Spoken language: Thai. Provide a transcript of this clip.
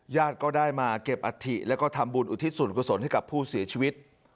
ญาติก็ได้มาเก็บอาธิและก็ทำบุญอุทิศศูนย์กระสนให้กับผู้เสียชีวิต